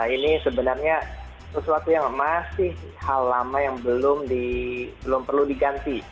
ini sebenarnya sesuatu yang masih hal lama yang belum perlu diganti